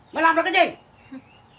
mày làm được cái gì